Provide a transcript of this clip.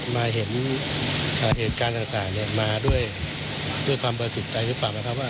มาเห็นเหตุการณ์ต่างมาด้วยความประสิทธิ์ใจหรือเปล่า